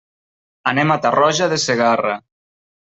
Anem a Tarroja de Segarra.